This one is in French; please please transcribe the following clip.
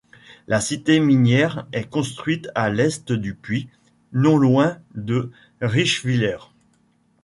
La cité minière est construite à l'est du puits, non loin de Richwiller.